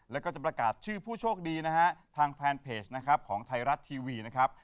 แล้วก็จะประกาศชื่อผู้โชคดีนะฮะทางแฟนเพจนะครับของไทยรัฐทีวีนะครับ